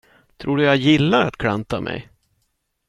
Tror du att jag gillar att klanta mig?